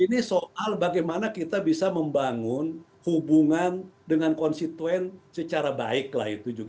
ini soal bagaimana kita bisa membangun hubungan dengan konstituen secara baik lah itu juga